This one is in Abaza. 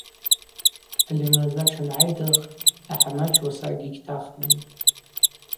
Алимырза тшангӏайдырх ахӏамач уасакӏгьи гьтахмызтӏ.